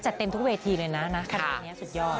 จัดเต็มทุกเวทีเลยนะขนาดนี้สุดยอด